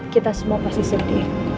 kita semua pasti sedih